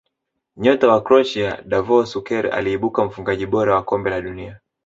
nyota wa croatia davor suker aliibuka mfungaji bora wa kombe la dunia